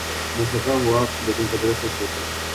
میں تھکا ہوا لیکن قدرے خوش ہوتا۔